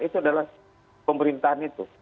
itu adalah pemerintahan itu